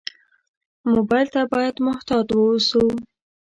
موبایل ته باید محتاط ووسو.